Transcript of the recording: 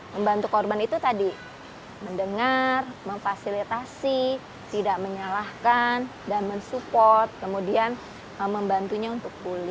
membantu korban itu tadi mendengar memfasilitasi tidak menyalahkan dan mensupport kemudian membantunya untuk pulih